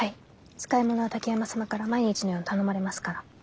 使い物は滝山様から毎日のように頼まれますから。